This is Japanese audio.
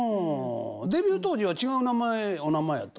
デビュー当時は違う名前お名前やった？